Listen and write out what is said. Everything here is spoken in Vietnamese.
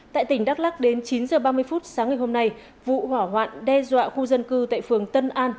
tại tỉnh đắk lắc đến chín h ba mươi phút sáng ngày hôm nay vụ hỏa hoạn đe dọa khu dân cư tại phường tân an